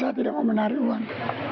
saya tidak mau menari uang